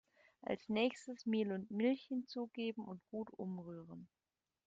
Als nächstes Mehl und Milch hinzugeben und gut umrühren.